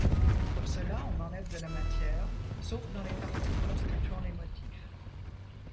Pour cela, on enlève de la matière, sauf dans les parties constituant les motifs.